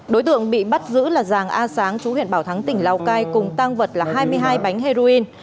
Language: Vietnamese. đối tượng bị bắt giữ là giàng a sáng chú huyện bảo thắng tỉnh lào cai cùng tăng vật là hai mươi hai bánh heroin